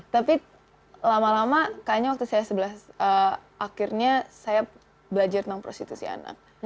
tapi lama lama kayaknya waktu saya sebelas akhirnya saya belajar tentang prostitusi anak